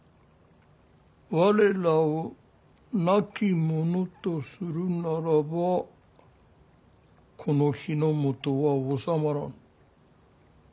我らを亡き者とするならばこの日本は治まらぬ。